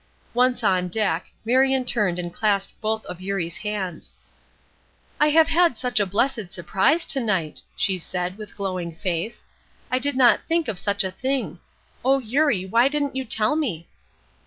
Once on deck, Marion turned and clasped both of Eurie's hands. "I have had such a blessed surprise to night!" she said, with glowing face. "I did not think of such a thing! O Eurie, why didn't you tell me?"